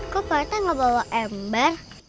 kok pak rt gak bawa ember